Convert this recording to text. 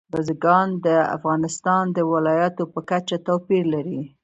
بزګان د افغانستان د ولایاتو په کچه توپیر لري.